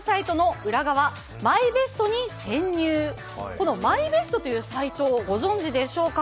このｍｙｂｅｓｔというサイトをご存じでしょうか？